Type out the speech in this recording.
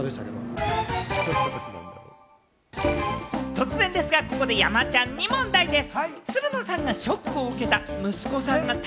突然ですが、ここで山ちゃんに問題です。